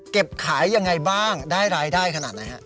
เก็บขายยังไงบ้างได้รายได้ขนาดไหนฮะ